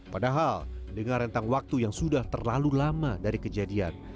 padahal dengan rentang waktu yang sudah terlalu lama dari kejadian